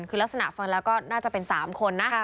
คือลักษณะฟังแล้วก็น่าจะเป็น๓คนนะ